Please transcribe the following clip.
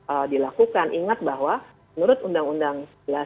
ini dilakukan ingat bahwa menurut undang undang dua belas dua ribu tiga belas